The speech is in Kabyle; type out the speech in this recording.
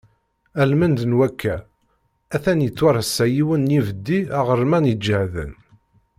Almend n wakka, atan yettwareṣṣa yiwen n yibeddi aɣerman iǧehden.